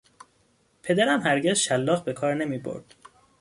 پدرم هرگز شلاق بهکار نمیبرد.